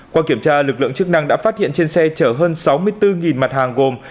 qua kiểm tra lực lượng chức năng đã phát hiện trên xe chở hơn sáu mươi bốn mặt hàng gồm